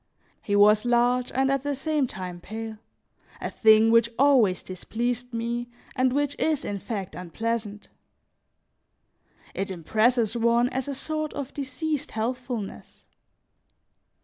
He was large and at the same time pale, a thing which always displeased me and which is, in fact, unpleasant; it impresses one as a sort of diseased healthfulness.